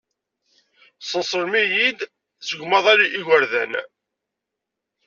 Teṣneṣlem-iyi-d seg umaḍal n yigerdan.